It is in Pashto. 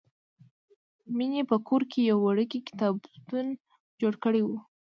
مینې په کور کې یو وړوکی کتابتون جوړ کړی و